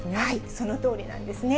そのとおりなんですね。